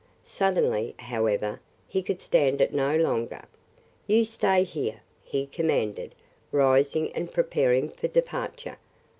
Suddenly, however, he could stand it no longer. "You stay here!" he commanded, rising and preparing for departure.